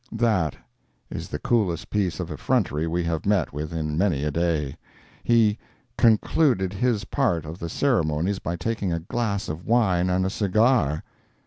That is the coolest piece of effrontery we have met with in many a day. He "concluded his part of the ceremonies by taking a glass of wine and a cigar."